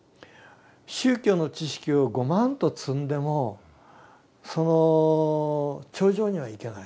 宗教の知識をごまんと積んでもその頂上には行けない。